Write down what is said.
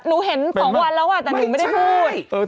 เห็น๒วันแล้วแต่หนูไม่ได้พูด